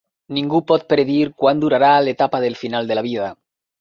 Ningú pot predir quant durarà l'etapa del final de la vida.